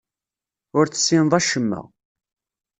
Ur tessineḍ acemma.